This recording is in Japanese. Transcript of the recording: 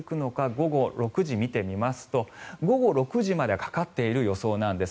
午後６時を見てみますと午後６時まではかかっている予想なんです。